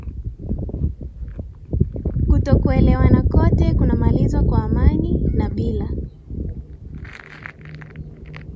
kutokuelewana kote kunamalizwa kwa amani na bila